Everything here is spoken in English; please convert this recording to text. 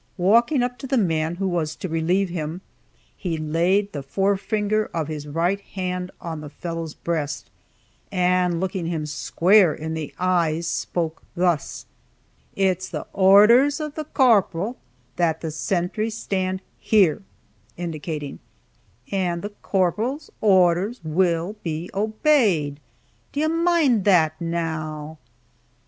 Walking up to the man who was to relieve him, he laid the forefinger of his right hand on the fellow's breast, and looking him square in the eyes, spoke thus: "It's the ar r dhers of the car r parral that the sintry stand here," (indicating,) "and the car r parral's ar r dhers will be obeyed. D'ye moind that, now?"